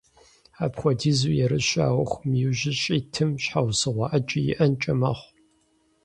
Апхуэдизу ерыщу а Ӏуэхум иужь щӀитым щхьэусыгъуэ Ӏэджэ иӀэнкӀэ мэхъу.